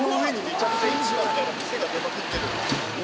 が出まくってる。